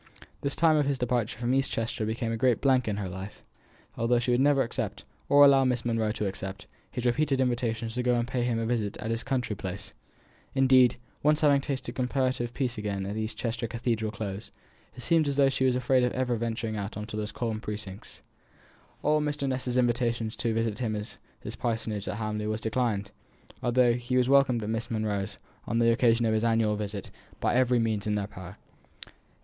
The time of his departure from East Chester became a great blank in her life, although she would never accept, or allow Miss Monro to accept, his repeated invitations to go and pay him a visit at his country place. Indeed, having once tasted comparative peace again in East Chester Cathedral Close, it seemed as though she was afraid of ever venturing out of those calm precincts. All Mr. Ness's invitations to visit him at his parsonage at Hamley were declined, although he was welcomed at Miss Monro's, on the occasion of his annual visit, by every means in their power.